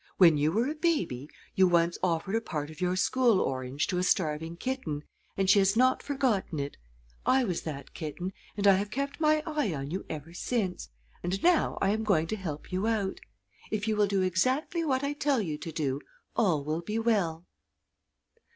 "When you were a baby you once offered a part of your school orange to a starving kitten, and she has not forgotten it. I was that kitten and I have kept my eye on you ever since, and now I am going to help you out. If you will do exactly what I tell you to do all will be well."